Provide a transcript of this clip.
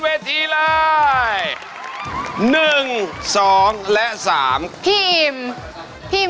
วันที่เธอพบมันในหัวใจฉัน